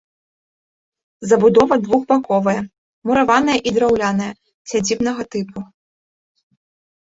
Забудова двухбаковая, мураваная і драўляная, сядзібнага тыпу.